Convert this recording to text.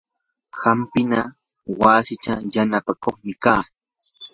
hampina wasichaw yanapakuqmi kaa.